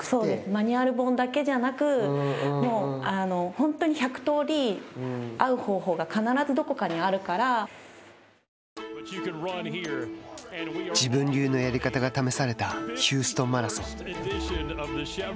マニュアル本だけでなくもう、本当に１００通り合う方法が自分流のやり方が試されたヒューストンマラソン。